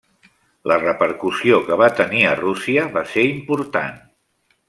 La repercussió que va tenir a Rússia va ser important.